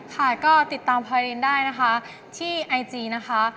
ค่ะก็ติดตามพายรินได้นะคะที่ไอจีนะคะ